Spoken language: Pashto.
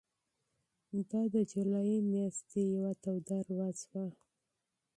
دا د جولای میاشتې یوه ګرمه ورځ وه.